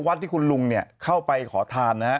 วัดที่คุณลุงเนี่ยเข้าไปขอทานนะฮะ